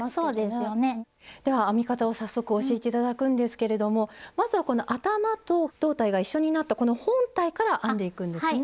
では編み方を早速教えて頂くんですけれどもまずはこの頭と胴体が一緒になったこの本体から編んでいくんですね。